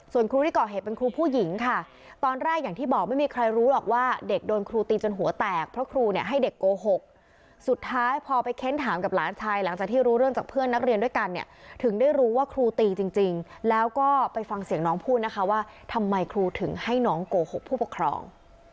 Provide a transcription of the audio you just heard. ส่วนครูที่ก่อเหตุเป็นครูผู้หญิงค่ะตอนแรกอย่างที่บอกไม่มีใครรู้หรอกว่าเด็กโดนครูตีจนหัวแตกเพราะครูเนี่ยให้เด็กโกหกสุดท้ายพอไปเค้นถามกับหลานชายหลังจากที่รู้เรื่องจากเพื่อนนักเรียนด้วยกันเนี่ยถึงได้รู้ว่าครูตีจริงแล้วก็ไปฟังเสียงน้องพูดนะคะว่าทำไมครูถึงให้น้องโกหกผู้ปกครอง